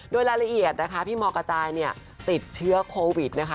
โดยรายละเอียดนะคะพี่มกระจายเนี่ยติดเชื้อโควิดนะคะ